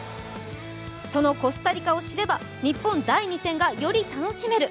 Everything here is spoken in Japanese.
そのコスタリカを知れば、日本第２戦がより楽しめる。